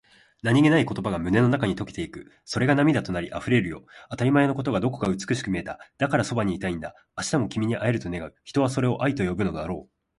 何気ない言葉が胸の中に溶けていく。それが涙となり、溢れるよ。当たり前のことがどこか美しく見えた。だから、そばにいたいんだ。明日も君に会えると願う、人はそれを愛と呼ぶのだろう。